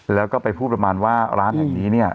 แล้วก็ไปพูดแบบว่าร้านแห่งนี้